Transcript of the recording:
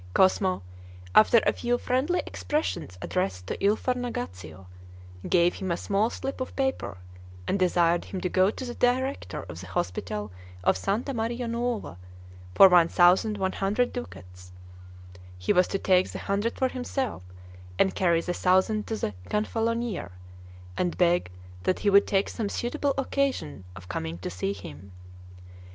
Cosmo, after a few friendly expressions addressed to Il Farnagaccio, gave him a small slip of paper, and desired him to go to the director of the hospital of Santa Maria Nuova, for one thousand one hundred ducats; he was to take the hundred for himself, and carry the thousand to the Gonfalonier, and beg that he would take some suitable occasion of coming to see him.